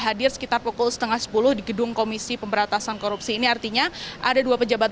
hadir sekitar pukul setengah sepuluh di gedung komisi pemberantasan korupsi ini artinya ada dua pejabat